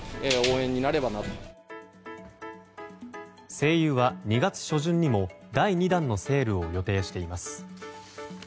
西友は２月初旬にも第２弾のセールを予定しています。